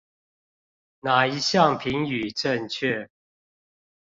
哪一項評語正確？